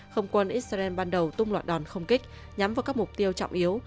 không quân israel ban đầu tung loạt đòn không kích nhắm vào các mục tiêu trọng yếu